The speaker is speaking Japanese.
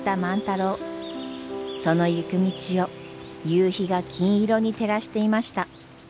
その行く道を夕日が金色に照らしていました。